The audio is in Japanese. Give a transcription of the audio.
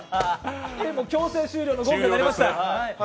強制終了のゴングが鳴りました。